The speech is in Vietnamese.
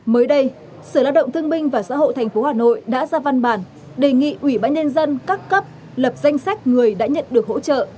mới đây sở lao động thương binh và xã hội tp hà nội đã ra văn bản đề nghị ủy ban nhân dân các cấp lập danh sách người đã nhận được hỗ trợ